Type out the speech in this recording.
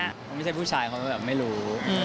เขาไม่ใช่ผู้ชายเขาก็แบบไม่รู้